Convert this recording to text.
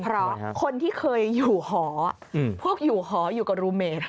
เพราะคนที่เคยอยู่หอพวกอยู่หออยู่กับรูเมด